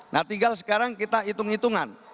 nah tinggal sekarang kita hitung hitungan